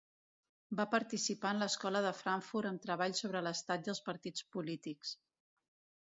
Va participar de l'Escola de Frankfurt amb treballs sobre l'Estat i els Partits polítics.